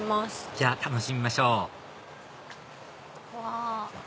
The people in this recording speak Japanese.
じゃあ楽しみましょううわ